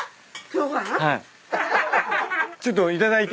はい。